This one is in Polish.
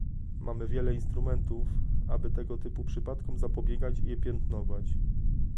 Mamy wiele instrumentów, aby tego typu przypadkom zapobiegać i je piętnować